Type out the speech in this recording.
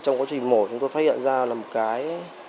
trong quá trình mổ chúng tôi phát hiện ra là một cái